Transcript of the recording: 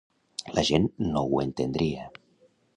La gent no ho entendria.